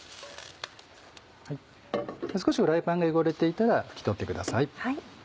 少しフライパンが汚れていたら拭き取ってください。